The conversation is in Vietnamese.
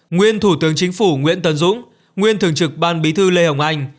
nguyên thủ tướng chính phủ nguyễn tân dũng nguyên thường trực ban bí thư lê hồng anh